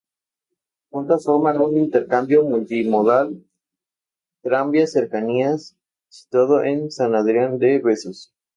Juntas forman un intercambiador multimodal tranvía-cercanías situado en San Adrián de Besós.